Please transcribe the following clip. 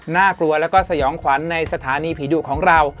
น่ากลัวแล้วก็สยองขวัญในสถานีผีดุของเรา